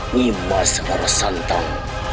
nimas rara santan